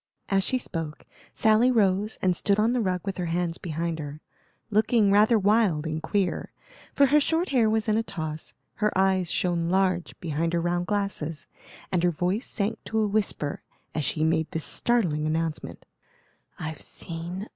As she spoke, Sally rose and stood on the rug with her hands behind her, looking rather wild and queer; for her short hair was in a toss, her eyes shone large behind her round glasses, and her voice sank to a whisper as she made this startling announcement: "I've seen a ghost!"